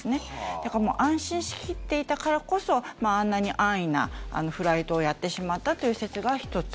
だから安心しきっていたからこそあんなに安易なフライトをやってしまったという説が１つ。